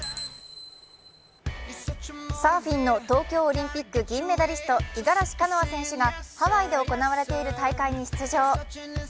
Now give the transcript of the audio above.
サーフィンの東京オリンピック銀メダリスト五十嵐カノア選手がハワイで行われている大会に出場。